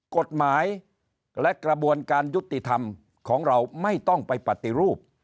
กฎหมายและกระบวนการยุติธรรมของเราไม่ต้องไปปฏิรูป